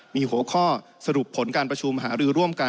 มีหัวข้อสรุปผลการประชุมหารือร่วมกัน